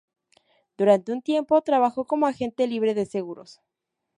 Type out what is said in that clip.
Durante un tiempo trabajó como agente libre de seguros.